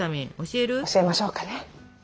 教えましょうかね。